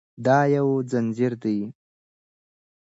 دا یو ځنځیر دی.